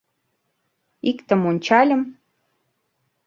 Иктым ончальым